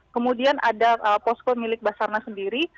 kemudian ada posko milik basarna sendiri